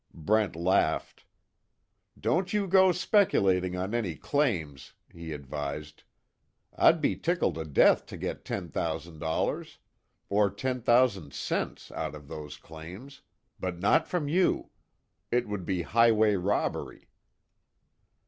Brent laughed: "Don't you go speculating on any claims," he advised, "I'd be tickled to death to get ten thousand dollars or ten thousand cents out of those claims but not from you. It would be highway robbery."